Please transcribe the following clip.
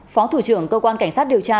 phó thủ trưởng cơ quan cảnh sát điều tra